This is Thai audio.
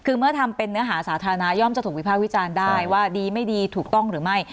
คือเมื่อทำเป็นเนื้อหาสาธารณะย่อมจะถูกวิภาควิจารณ์ได้ว่าดีไม่ดีถูกต้องหรือไม่